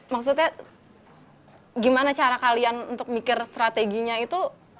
maksudnya gimana cara kalian untuk mikir strateginya itu